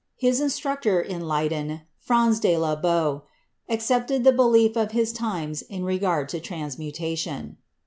His instructor in Leyden, Franz de la Boe, accepted the belief of his times in regard to transmutation.